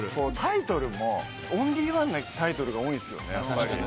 オンリーワンなタイトルが多いんすよね。